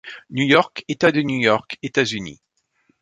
New York, État de New York, États-Unis.